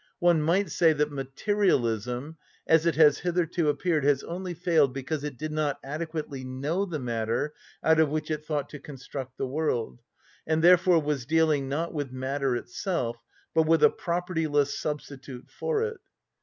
One might say that materialism, as it has hitherto appeared, has only failed because it did not adequately know the matter out of which it thought to construct the world, and therefore was dealing, not with matter itself, but with a propertyless substitute for it.